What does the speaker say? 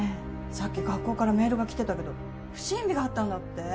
さっき学校からメールが来てたけど不審火があったんだって？